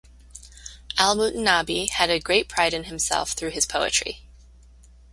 Al-Mutanabbi had a great pride in himself through his poetry.